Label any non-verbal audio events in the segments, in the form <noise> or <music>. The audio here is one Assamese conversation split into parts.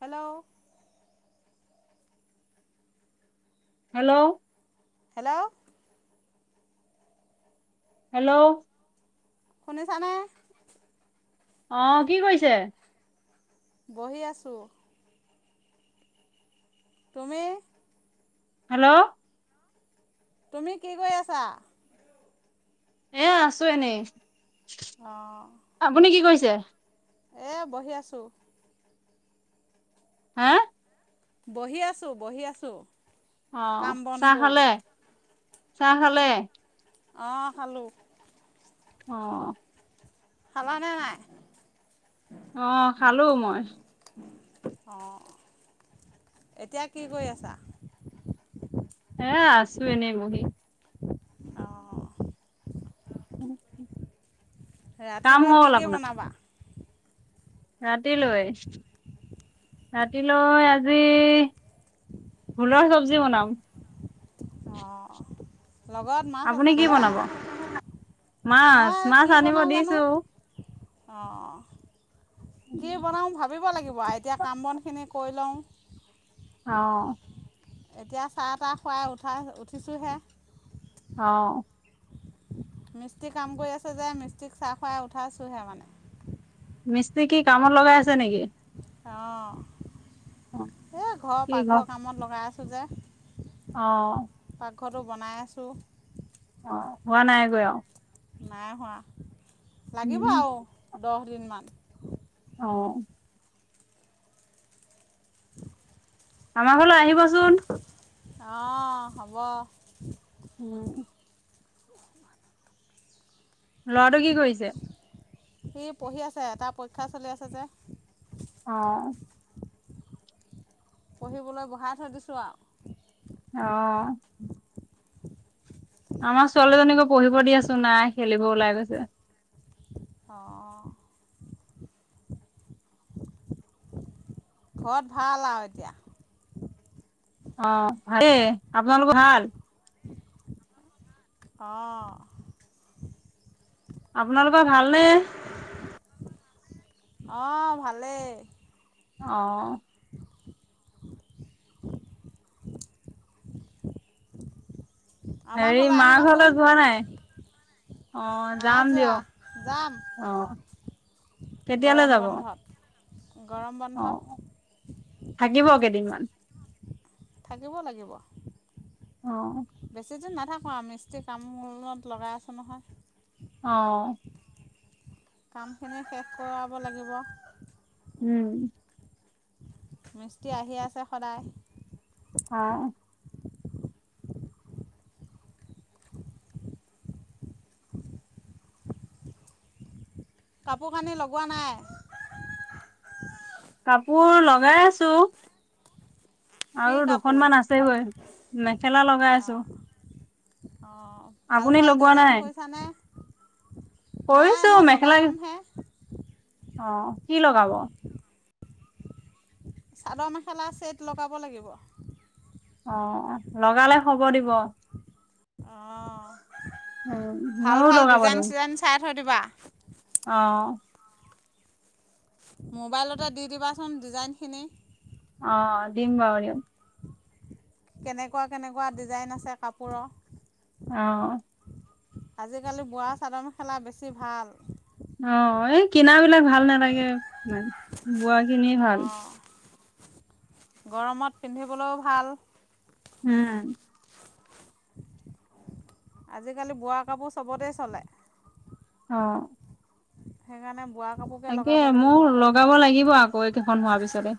হেল্ল' হেল্ল' হেল্ল' হেল্ল' নি চানে <unintelligible> অ কি কৰিছে বহি আছোঁ তুমি হেল্ল' তুমি কি কৰি আছা এ আছো এনেই অঁ য়া <unintelligible> এ বহি আছো হা বহি আছো বহি আছো আহ চাহ খালে চাহ খালে অঁ খালোঁ অ খালা নে নাই অ খালো মই অঁ এতিয়া কি কৰি আছা হে আছো এনেই বহি অঁ উম ৰাতিলৈ কি কি বনাবা ৰাতিলৈ ৰাতিলৈ আজি ভোলৰ চব্জি বনাম অঁ লগত মাছ আপুনি কি আছেনে নাই বনাব মাছ মই মাছ কি আনিব বনাওঁ জানো দিছো অঁ কি বনাওঁ ভাবিব লাগিব এতিয়া কাম বনখিনি কৰি লওঁ অ এতিয়া চাহ তাহ খুৱাই উঠাই উঠিছোঁহে অ মিস্ত্ৰী কাম কৰি আছে যে মিস্ত্ৰীক চাহ খুৱাই উঠাইছোহে মানে মিস্ত্ৰী কি কামত লগাই আছে নেকি অ অ এ ঘৰৰ কি ঘৰ পাকঘৰৰ কামত লগাই আছে পূজা অ পাকঘটো বনাই আছো অ হোৱা নাইগৈ আও নাই হোৱা লাগিব উম আও দহ দুইমা অ আমাৰ ঘৰলৈ আহিবচোন অহ হ'ব উম লৰাটো কি কৰিছে সি পঢ়ি আছে তাৰ পৰীক্ষা চলি আছে যে অ পঢ়িবলৈ বঢ়াই থৈ দিছোঁ আৰু অহ আমাৰ ছোৱালীজনীকো পঢ়িব দি আছো নাই খেলিব ওলাই গৈছে অহ ঘৰত ভাল আও এতিয়া? অ ভালেই। আপোনালোকৰ ভাল? অহ আপোনালোকৰ ভালনে? অ ভালেই। অ আমাৰ হেৰি ঘৰলৈ মা আহিবাচোন ঘৰলৈ যোৱা নাই? অ নাই যাম যোৱা দিয়ক যাম অহ যাম দিয়ক অ কেতিয়ালৈ গৰম যাব? বন্ধত গৰম অ বন্ধত থাকিব কেদিনমান থাকিব লাগিব অহ বেছি দিন নাথাকোঁ আৰু মিস্ত্ৰী কামত লগাই আছোঁ নহয় অ কামখিনি শেষ কৰাব লাগিব উম মিস্ত্ৰী আহি আছে সদায় অহ কাপোৰ কানি লগোৱা নাই? কাপোৰ লগাই আছো। কি আৰু কাপোৰ দুখনমান আছে গৈ। মেখেলা লগাই আছো। <unintelligible> অ ভাল আপুনি ভাল লগোৱা ডিজাইন নাই কৰিছানে? কৰিছো নাই মই মেখেলা লগাই ল'মহে। অ কি লগাব? চাদৰ -মেখেলা চেত লগাব লাগিব। অ লগালে খব দিব অহ উম ভাল ময়ো ভাল লগাব ডিজাইন দিম চিজাইন চাই থৈ দিবা। <inaudible> অ মোবাইলতে দি দিবাচোন ডিজাইনখিনি অ দিম বাৰু দিয়ক। কেনেকুৱা কেনেকুৱা ডিজাইন আছে কাপোৰ? অহ আজিকালি বোৱা চাদৰ -মেখেলা বেছি ভাল। অ এই কিনা বিলাক ভাল। ভাল নালাগে ইমান, বোৱা খিনিয়ে ভাল। অঁ গৰমত পিন্ধিবলৈও ভাল। হম আজিকালি বোৱা কাপোৰ চবতে চলে। অ। সেইকাৰণে বোৱা কাপোৰকে তাকে লগাব লাগিব মোৰ আৰু লগাব লাগিব আকৌ এইকেইখন হোৱাৰ পিছতে।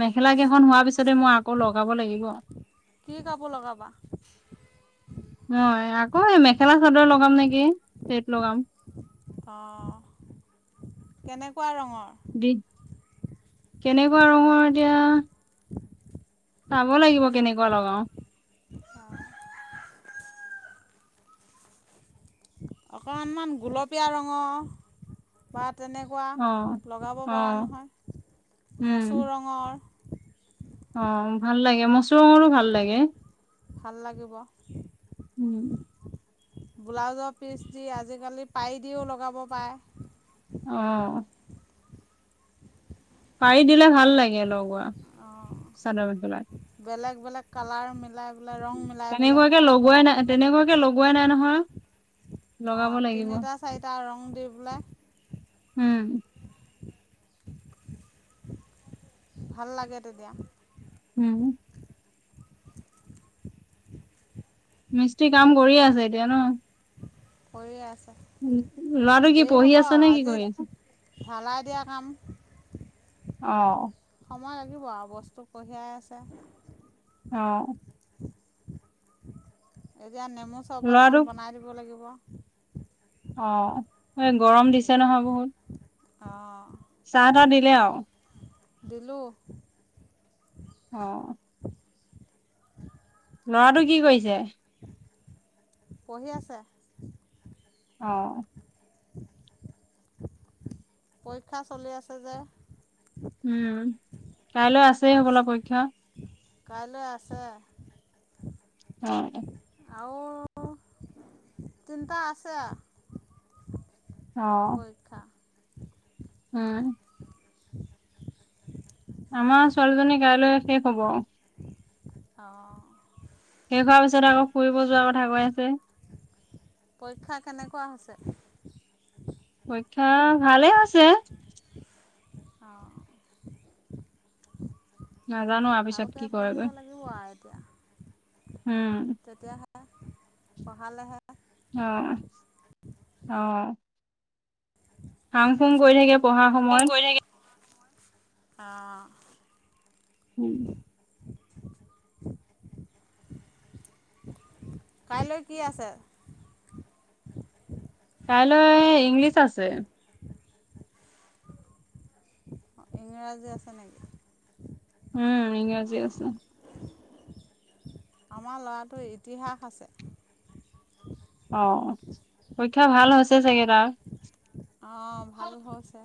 মেখেলা কেইখন হোৱাৰ পিছত। মই আকৌ লগাব লাগিব। কি কাপোৰ লগাবা মই আকৌ মেখেলা চাদৰ লগাম নেকি, চেট লগাম। অ, কেনেকুৱা ৰঙত? বি কেনেকুৱা ৰঙৰ এতিয়া চাব লাগিব কেনেকুৱা লগাও। অকণমানমান গুলপীয়া ৰঙৰ পাত। তেনেকুৱা, অ লগাব অ পৰা নহয়। উম মচুৰ ৰঙৰ, অ ভাল লাগে মস ৰঙৰো ভাল লাগে ভাল লাগিব উম। ব্লাউজৰ পিচ দি আজিকালি পাৰিদিও লগাব পাৰে, অ। পাৰি দিলে ভাল লাগে। লগোৱা। চাদৰ মেখেলাত, এইবিলাক কালাৰ মিলাই পেলাই ৰং মিলাই পেলাই তেনেকুৱাকে লগোৱাই নাই তেনেকুৱাকে লগোৱাই নাই নহয়! অ লগাব লাগিব তিনিটা চাৰিটা ৰং দি উম পেলাই ভাল লাগে তেতিয়া হ উম। মিস্ত্ৰী কাম কৰিয়ে আছে এতিয়া ন? কৰিয়ে আছে। উ লৰাটো কি দেৰি পঢ়ি হ'ব আছে আৰু নে কি আজি কৰি আছে? ঢালাই দিয়া কাম অ। সময় লাগিব আৰু বস্তু কঢ়িয়াই আছে। অ। এতিয়া নেমু চৰবত অকণ ল'ৰাটোক বনাই দিব লাগিব। <inaudible> অ এই গৰম দিছে নহয় বহুত! অ। চাহ তাহ দিলে আৰু? দিলো। অ। লৰাটো কি কৰিছে? পঢ়ি আছে। অ <unintelligible> পৰীক্ষা চলি আছে যে উম কাইলৈ আছেই আজ হবলা পৰীক্ষা কাইলৈ আছে অ আৰু তিনিটা আছে অ পৰীক্ষা উম আমাৰ ছোৱালীজনী কাইলৈ শেষ হব আৰু অ শেষ হোৱাৰ পিছত আকৌ ফুৰিব যোৱাৰ কথা কৈ আছে পৰীক্ষা কেনেকুৱা হৈছে পৰীক্ষা ভালেই হৈছে অঁ নাজানো আৰু পিছত ভালকৈ কি পঢ়িব কৰেগৈ লাগিব আৰু এতিয়া হম তেতিয়াহে পঢ়ালেহে অ অ ফাং ফুং কৰি থাকে পঢ়াৰ সময়ত অঁ উম কাইলৈ কি আছে কাইলৈ ইংলিছ আছে ইংৰাজী আছে নেকি উম ইংৰাজী আছে আমাৰ ল'ৰাটোৰ ইতিহাস আছে অ পৰীক্ষা ভাল হৈছে চাগে তাৰ অঁ ভাল হৈছে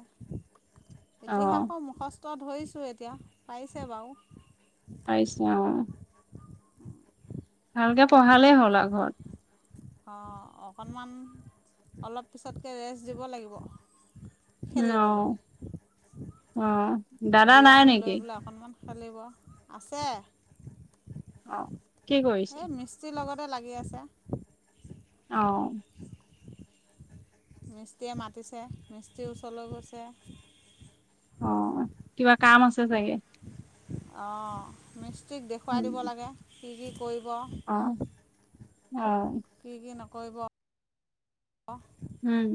অ ইতিহাসৰ মুখ তই ধৰিছোঁ এতিয়া পাইছে বাৰু পাৰিছে অ ভালকে পঢ়ালেই হ'ল আ ঘৰত অঁ অকণমান অলপ পিছতকৈ ৰেষ্ট দিব লাগিব উ আহ খেলিবলৈ আহ দাদা নাই জিৰণি নেকি লৈ পেলাই অকণমান খেলিব আছে অ কি কৰিছে হ মিস্তিৰ লগত তে লাগি আছে আহ মিস্ত্ৰীয়ে মাতিছে মিস্তীৰ ওচৰলৈ গৈছে অ কিবা কাম আছে চাগে অ মি কি দেখুৱাই দিব উম লাগে টিক কৰিব অ অ কৰিব উম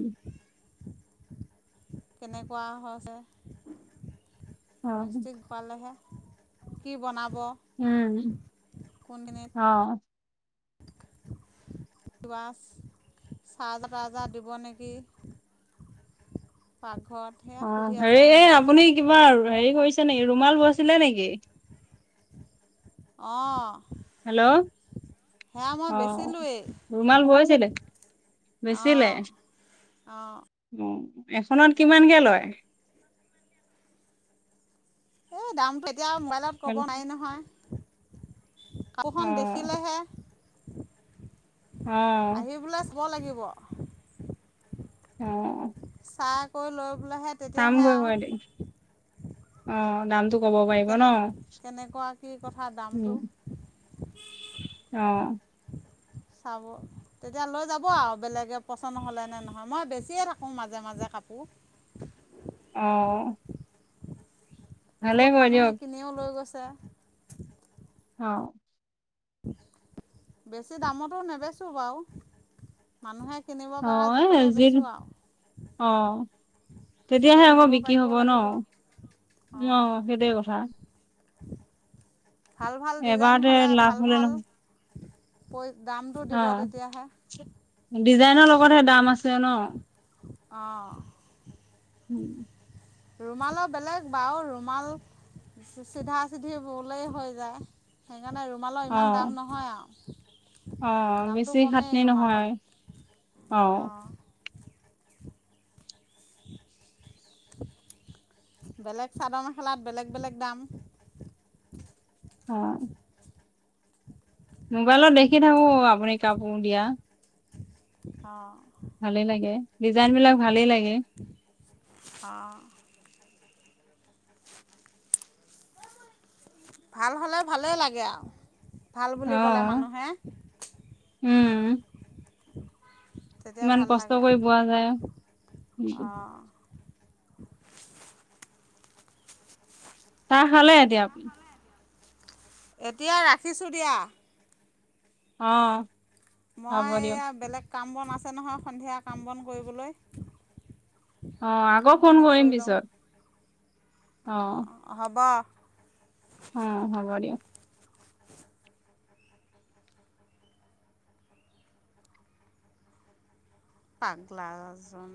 কেনেকুৱা হৈছে অ', মিছ্তিক পালেহে কি বনাব উম কোনখিনিত আহ ৱাছ চাৰ্জাৰ তাৰ্জাৰ দিব নেকি প অ হেৰি এই আপুনি কিবা আৰু হেৰি কৰিছে নেকি ৰুমাল বৈছিলে নেকি অ হেল্ল' অ বেচিলোৱেই ৰুমাল বৈছিলে বেচিলে অঁ অঁ উ এখনত কিমানকে লয় উ দাম বুলি এতিয়াও মোবাইলত ক'ব নোৱাৰি নহয় কাপোখন অ', দেখিলেহে আহ ব লাগিব অ চাহকৌ লগ বোলেহে তেতিয়াহে চামগৈ মই এদিন আৰু অ দামটো ক'ব পাৰিব ন? কেনে কেনেকুৱা কি কথা উম, দামটো অ', চাব তেতিয়া লৈ যাব আৰু বেলেগে পচন্দ হ'লে নে নহয় মই বেছিয়ে থাকোঁ মাজে মাজে কাপোৰ অ', ভালে বহুত কৰে মানুহে দিয়ক কিনিও লৈ গৈছে ছে অ বেছি দামতো নেবেচো বাৰু মানুহে কিনিব অ, পৰা এ, জোখতে বেচোঁ আৰু যি-অ তেতিয়াহে চবেই আকৌ নিব বিক্ৰী পাৰিব হ'ব ন। লাগিব অ, অঁ সেইটেই কথা। ভাল, ভাল ডিজাইন এবাৰতে হলে লাভ ভাল, হ'লে ভাল নহয় প <unintelligible> দামটো অ' দিব তেতিয়াহে। ডিজাইনৰ লগতহে দাম আছে। তে ন আহঁ। উম। ৰুমালো বেলেগ বাৰু ৰুমাল চিধা, চিধি বলে হৈ যায়। সেইকাৰণে ৰুমালৰ ইমান দাম নহয় আৰু। আহ দামটো বেছি কমেই খাটনি ৰুমালত নহয় আহ। অঁ বেলেগ চাদৰ মেখেলাত বেলেগ, বেলেগ দাম। অ। মোবাইলত দেখি থাকো আপুনি কাপোৰ দিয়া। অ। ভালে লাগে ডিজাইন বিলাক ভালেই লাগে। অঁ। ভাল হ'লে ভালেই লাগে আৰু। ভাল বুলি ক'লে আঁহ, মানুহে উম। <inaudible> ইমান ভাল কষ্ট লাগে কৰি আৰু পোৱা যায়, আৰু কি অঁ চাহ খালে এতিয়া আপুনি? এতিয়া ৰাখিছোঁ দিয়া আঁহ। মই এয়া বেলেগ কাম বন আছে নহয় সন্ধিয়া কাম বন কৰিবলৈ? আঁহ আকৌ ফোন কামখিনি কৰিম কৰি লওঁ পিছত, আঁহ। অঁ হ'ব অঁ, হ'ব দিয়ক। পাগলা জন।